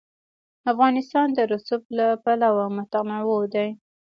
افغانستان د رسوب له پلوه متنوع دی.